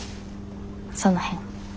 その辺。